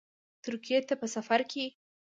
ترکیې ته په سفرکې